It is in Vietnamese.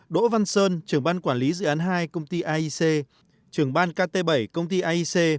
đỗ văn sơn trưởng ban quản lý dự án hai công ty aic trưởng ban kt bảy công ty aic